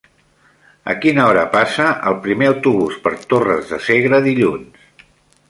A quina hora passa el primer autobús per Torres de Segre dilluns?